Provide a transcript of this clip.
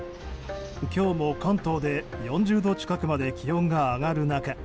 今日も関東で４０度近くまで気温が上がる中